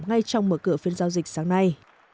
ngay trong mở cửa phiên giao dịch sáng nay